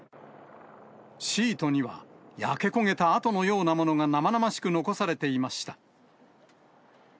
シートには、焼け焦げた跡のようなものが生々しく残されていました。